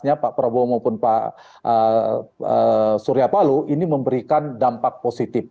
yang pertama adalah yang berikutnya pak prabowo maupun pak suryapalo ini memberikan dampak positif